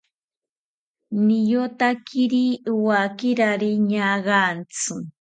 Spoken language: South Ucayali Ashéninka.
Niyotakiri wakirari ñaagantzi